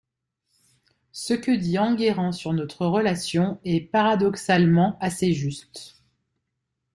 Ce que dit Enguerrand sur notre relation est –paradoxalement– assez juste.